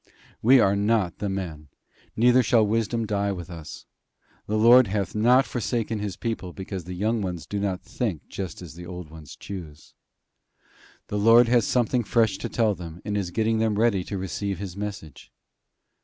We are not the men, neither shall wisdom die with us. The Lord hath not forsaken his people because the young ones do not think just as the old ones choose. The Lord has something fresh to tell them, and is getting them ready to receive his message.